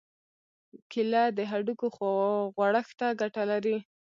کېله د هډوکو غوړښت ته ګټه لري.